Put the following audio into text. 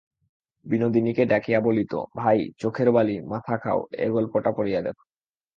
বিনোদিনীকে ডাকিয়া বলিত, ভাই চোখের বালি, মাথা খাও, এ গল্পটা পড়িয়া দেখো।